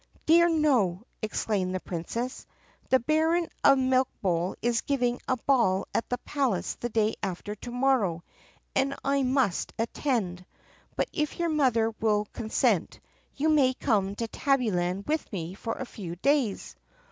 "Dear, no!" exclaimed the Princess. "The Baron of Milk bowl is giving a ball at the'palace the day after to morrow and I must attend. But if your mother will consent, you may come to Tabbyland with me for a few days."